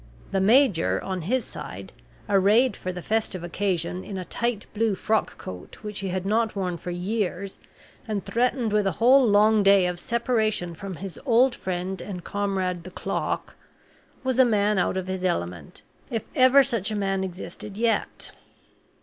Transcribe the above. The major, on his side, arrayed for the festive occasion in a tight blue frock coat which he had not worn for years, and threatened with a whole long day of separation from his old friend and comrade the clock, was a man out of his element, if ever such a man existed yet.